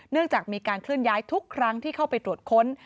จากมีการเคลื่อนย้ายทุกครั้งที่เข้าไปตรวจค้น